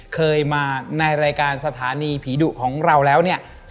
เคยมาในรายการสถานีผีดุของเราแล้วเนี่ย